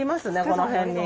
この辺に。